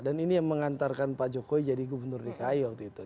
dan ini yang mengantarkan pak jokowi jadi gubernur dikayu waktu itu